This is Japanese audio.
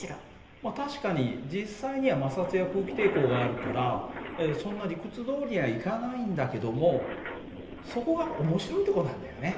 まあ確かに実際には摩擦や空気抵抗があるからそんな理屈どおりにはいかないんだけどもそこが面白いとこなんだよね。